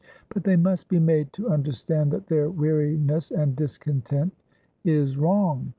But they must be made to understand that their weariness and discontent is wrong.